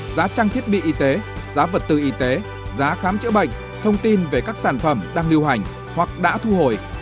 giá trang thiết bị y tế giá vật tư y tế giá khám chữa bệnh thông tin về các sản phẩm đang lưu hành hoặc đã thu hồi